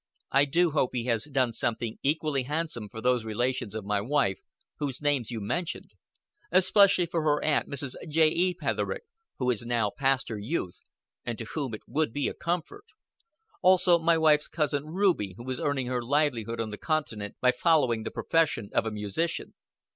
"I do hope he has done something equally handsome for those relations of my wife whose names you mentioned especially for her aunt, Mrs. J.E. Petherick, who is now past her youth, and to whom it would be a comfort. Also my wife's cousin Ruby, who is earning her livelihood on the continent by following the profession of a musician.